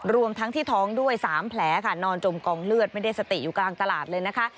รวมทั้งที่ท้องด้วย๓แผลค่ะนอนจมกองเลือดไม่ได้สติอยู่กลางตลาดเลยนะคะ